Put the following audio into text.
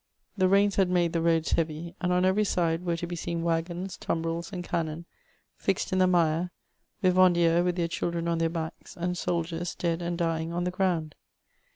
The rains had made the roads heavy, and on every side were to be seen waggons, tumbrils, and cannon, fixed in the mire, vivandikres with their children on their backs, and soldiers, dead and dying, on the ground.